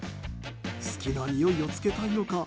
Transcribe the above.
好きなにおいをつけたいのか？